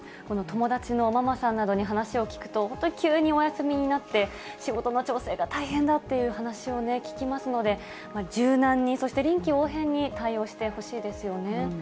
友達のママさんなどに話を聞くと、本当に急にお休みになって、仕事の調整が大変だという話を聞きますので、柔軟に、そして臨機応変に対応してほしいですよね。